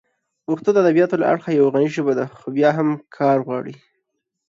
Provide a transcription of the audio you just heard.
پښتو د ادبیاتو له اړخه یوه غني ژبه ده، خو بیا هم کار غواړي.